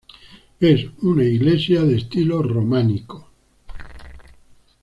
Es una iglesia de estilo románico.